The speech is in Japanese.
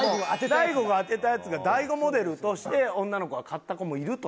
大悟が当てたやつが大悟モデルとして女の子が買った子もいると。